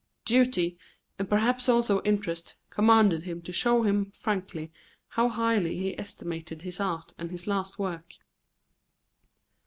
Duty, and perhaps also interest, commanded him to show him frankly how highly he estimated his art and his last work.